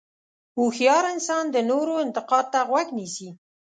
هوښیار انسان د نورو انتقاد ته غوږ نیسي.